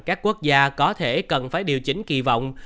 các quốc gia có thể cần phải điều chỉnh kỳ vọng